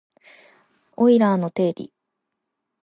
オイラーの定理